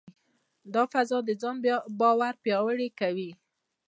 دا فضا د ځان باور پیاوړې کوي.